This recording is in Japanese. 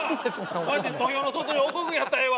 そうやって土俵の外へ落とすんやったらええわ。